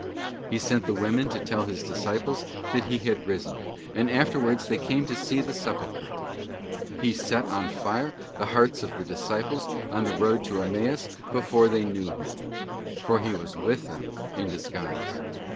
He sent the women to tell His disciples that He had risen; and afterwards they came to see the sepulchre.|| He set on fire the hearts of the disciples on the road to Emmaus before they knew Him; for He was with them in disguise.